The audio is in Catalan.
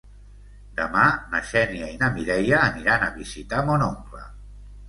Demà na Xènia i na Mireia aniran a visitar mon oncle.